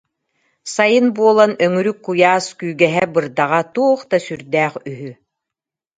Сайын буолан, өҥүрүк куйаас күүгэһэ-бырдаҕа туох да сүрдээх үһү